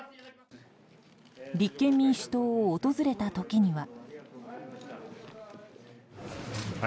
立憲民主党を訪れた時には。